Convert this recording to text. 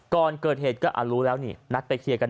ก่อนเกิดเหตุก็รู้แล้วนี่นัดไปเคลียร์กัน